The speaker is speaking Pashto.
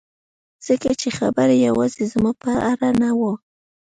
ځکه چې خبره یوازې زما په اړه نه وه